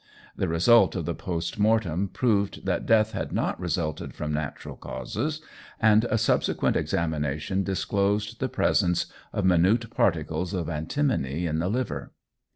The result of the post mortem proved that death had not resulted from natural causes, and a subsequent examination disclosed the presence of minute particles of antimony in the liver.